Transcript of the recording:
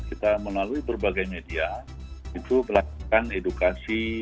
kita melalui berbagai media itu melakukan edukasi